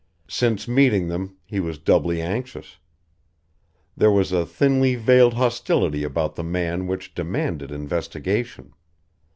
Since meeting them, he was doubly anxious. There was a thinly veiled hostility about the man which demanded investigation.